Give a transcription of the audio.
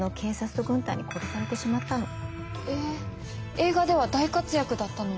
映画では大活躍だったのに。